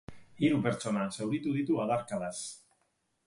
Hiru pertsona zauritu ditu adarkadaz.